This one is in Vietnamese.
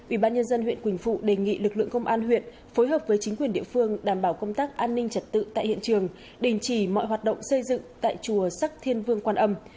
ủy ban nhân dân huyện quỳnh phụ đề nghị lực lượng công an huyện phối hợp với chính quyền địa phương đảm bảo công tác an ninh trật tự tại hiện trường đình chỉ mọi hoạt động xây dựng tại chùa sắc thiên vương quan âm